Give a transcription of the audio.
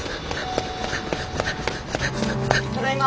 ただいま。